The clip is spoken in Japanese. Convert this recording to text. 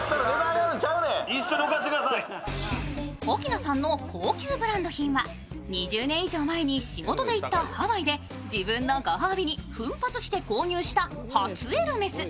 奧菜さんの高級ブランド品は２０年以上前に仕事で行ったハワイに自分のご褒美に奮発して購入した初エルメス。